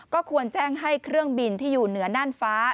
ก็ควรแจ้งให้เครื่องบินที่อยู่เหนือน่านฟ้า